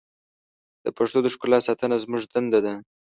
د پښتو د ښکلا ساتنه زموږ دنده ده.